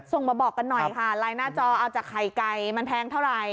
ส่งมาบอกกันหน่อยค่ะไลน์หน้าจอเอาจากไข่ไก่มันแพงเท่าไหร่